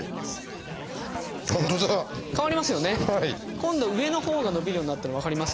今度上のほうが伸びるようになったの分かりますか？